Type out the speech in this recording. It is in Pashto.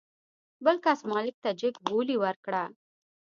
بل کس مالک ته جګ بولي ورکړه.